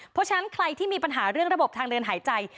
เพราะฉะนั้นใครที่มีปัญหาเรื่องระบบทางเดินหายใจ